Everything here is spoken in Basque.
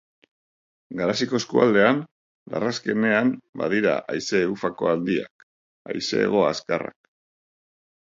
Garaziko eskualdean, larrazkenean badira haize ufako handiak, haize hego azkarrak.